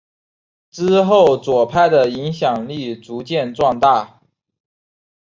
之后左派的影响力逐渐壮大。